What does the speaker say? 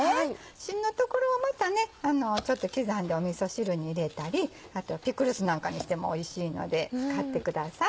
しんの所はまた刻んでみそ汁に入れたりあとはピクルスなんかにしてもおいしいので使ってください。